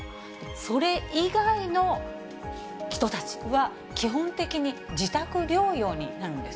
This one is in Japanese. それ以外の人たちは、基本的に自宅療養になるんです。